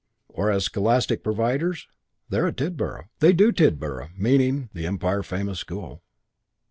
Or as scholastic providers? "They're at Tidborough. They do Tidborough" (meaning the empire famous school).